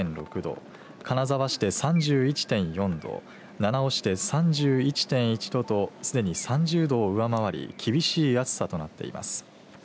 金沢市で３１．４度七尾市で３１．１度とすでに３０度を上回り厳しい暑さとなっています。